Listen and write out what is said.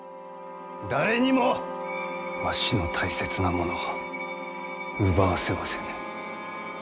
誰にもわしの大切なものを奪わせはせぬ。